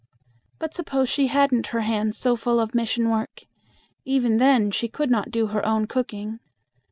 But suppose she hadn't her hands so full of mission work, even then she could not do her own cooking.